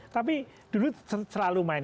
tapi dulu selalu main